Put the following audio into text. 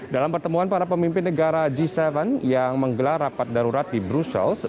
dalam pertemuan para pemimpin negara g tujuh yang menggelar rapat darurat di brussels